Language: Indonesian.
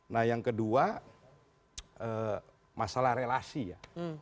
nah yang kedua masalah relasi ya